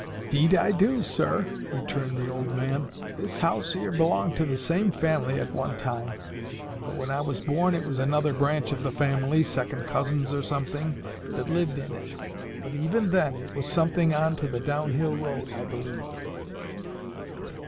"'Deed I do, sir," returned the old man, "This house here belonged to the same family at one time; though when I was born it was another branch of the family, second cousins or something, that lived in it. But even then it was something on to the downhill road, I believe."